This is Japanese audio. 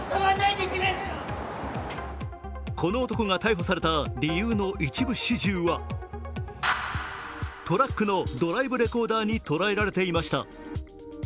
この男が逮捕された理由の一部始終は、トラックのドライブレコーダーに捉えられていました。